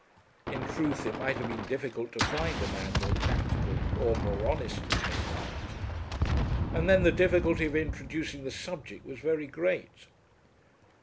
In truth it might have been difficult to find a man more practical or more honest than Mr. Marty. And then the difficulty of introducing the subject was very great.